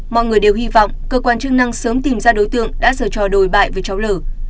mọi người đều hy vọng cơ quan chức năng sớm tìm ra đối tượng đã sở trò đổi bại với cháu l